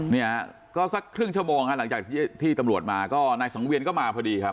เนี่ยก็สักครึ่งชั่วโมงฮะหลังจากที่ตำรวจมาก็นายสังเวียนก็มาพอดีครับ